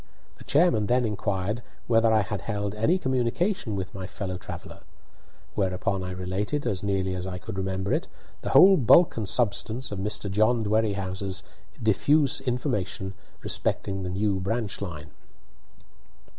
The chairman then inquired whether I had held any communication with my fellow traveller; whereupon I related, as nearly as I could remember it, the whole bulk and substance of Mr. John Dwerrihouse's diffuse information respecting the new branch line.